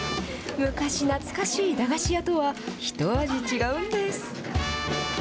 昔懐かしい駄菓子屋とはひと味違うんです。